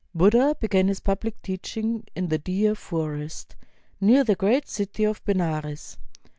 Buddha began his public teaching in the Deer Forest, near the great city of Benares.